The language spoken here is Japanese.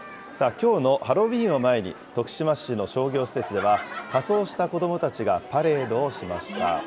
きょうのハロウィーンを前に、徳島市の商業施設では、仮装した子どもたちがパレードをしました。